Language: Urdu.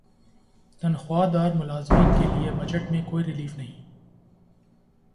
تنخواہ دار ملازمین کے لیے بجٹ میں کوئی ریلیف نہیں